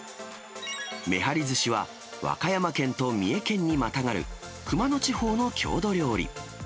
めはりずしは、和歌山県と三重県にまたがる、熊野地方の郷土料理。